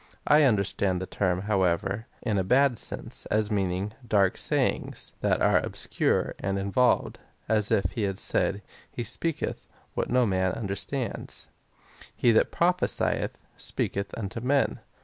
I understand the term, however, in a had sense, as meaning — dark sayings, that are ohscure and involved, as if he had said, " He speaks what no one understands." 8. He that prophesieth, speaketh unto men.